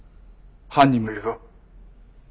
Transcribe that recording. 犯人もいるぞ。